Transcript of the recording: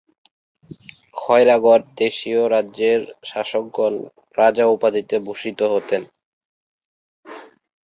খয়রাগড় দেশীয় রাজ্যের শাসকগণ রাজা উপাধিতে ভূষিত হতেন।